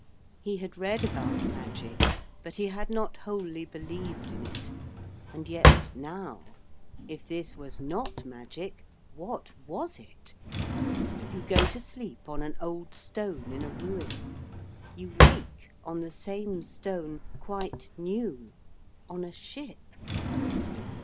He had read about magic, but he had not wholly believed in it, and yet, now, if this was not magic, what was it? You go to sleep on an old stone in a ruin. You wake on the same stone, quite new, on a ship.